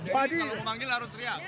jadi kalau mau memanggil harus teriak